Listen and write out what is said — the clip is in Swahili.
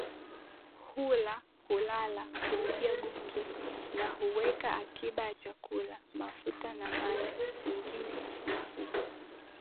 hula hulala hupiga gumzo na huweka akiba ya chakula mafuta na mali nyingine Mifugo